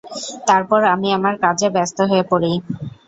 তারপর আমি আমার কাজে ব্যস্ত হয়ে পরি।